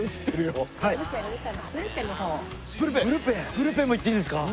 ブルペンも行っていいんですか？